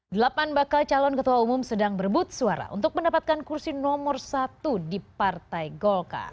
delapan bakal calon ketua umum sedang berebut suara untuk mendapatkan kursi nomor satu di partai golkar